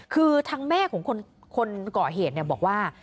คือทางแม่ของคนเกาะเหตุบอกว่า